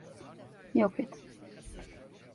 Yok et!